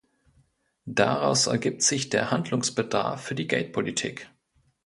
Daraus ergibt sich der Handlungsbedarf für die Geldpolitik.